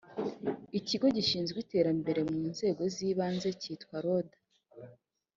ikigo gishinzwe iterambere mu nzego z’ ibanze cyitwa loda